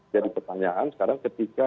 jadi pertanyaan sekarang ketika